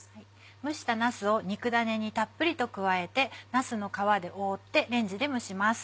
蒸したなすを肉だねにたっぷりと加えてなすの皮で覆ってレンジで蒸します。